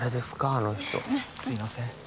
あの人すいません